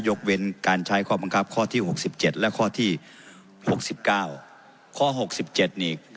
ยกเว้นการใช้ข้อบังคับข้อที่หกสิบเจ็ดและข้อที่หกสิบเก้าข้อหกสิบเจ็ดนี่